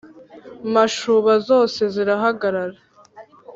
Mashuba zose zirahagarara,